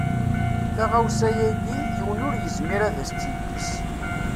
Taɣawsa-ayi yiwen ur yezmir ad as-tt-yekkes.